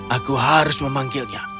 aku harus memanggilnya